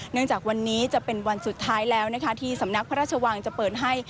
จากวันนี้จะเป็นวันสุดท้ายแล้วนะคะที่สำนักพระราชวังจะเปิดให้